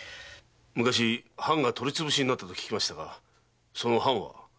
昔藩が取り潰しになったと聞きましたがその藩は？